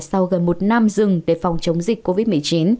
sau gần một năm dừng để phòng chống dịch covid một mươi chín